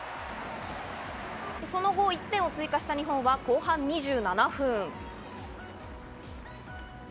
その後、１点を追加した日本は後半２７分。